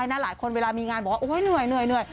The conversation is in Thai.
เพราะล่ะหลายคนเวลามีงานบอกโอ้ยเหนื่อย